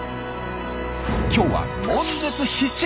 今日は悶絶必至！